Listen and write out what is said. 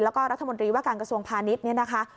แล้วก็รัฐมนตรีว่าการกระทรวงพาณิชย์เนี่ยนะคะ